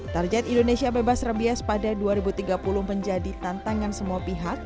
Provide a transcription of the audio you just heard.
target indonesia bebas rabies pada dua ribu tiga puluh menjadi tantangan semua pihak